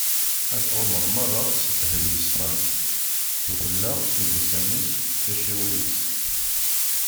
Ad t-tɣummeḍ meṛṛa s ddheb yeṣfan: s ufella, idisan-is, tacciwin-is.